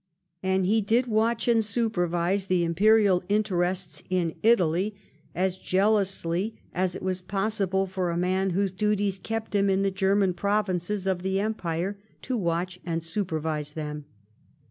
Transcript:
And he did watch and supervise the Imperial interests in Italy as jealously as it was possible for a man whose duties kept him in the German provinces of the Empire to watch and supervise them.